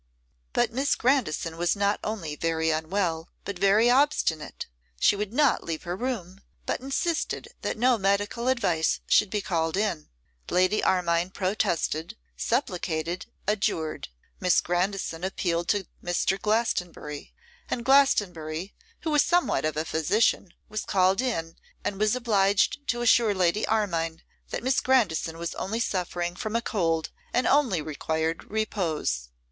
But Miss Grandison was not only very unwell but very obstinate. She would not leave her room, but insisted that no medical advice should be called in. Lady Armine protested, supplicated, adjured; Miss Grandison appealed to Mr. Glastonbury; and Glastonbury, who was somewhat of a physician, was called in, and was obliged to assure Lady Armine that Miss Grandison was only suffering from a cold and only required repose.